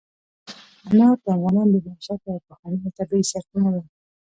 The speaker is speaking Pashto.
انار د افغانانو د معیشت یوه پخوانۍ او طبیعي سرچینه ده.